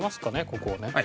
ここをね。